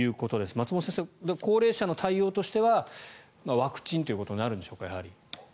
松本先生、高齢者の対応としてはワクチンということになるんでしょうか。